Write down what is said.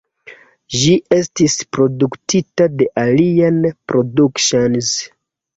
Ĝi estis produktita de Alien Productions.